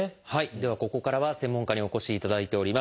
ではここからは専門家にお越しいただいております。